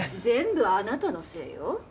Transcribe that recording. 全部あなたのせいよ。